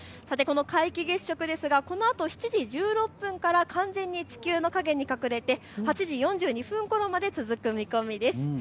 この皆既月食ですがこのあと７時１６分から完全に地球の影に隠れて８時４２分ごろまで続く見込みです。